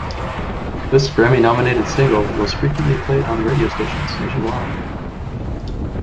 This Grammy nominated single was frequently played on radio stations nationwide.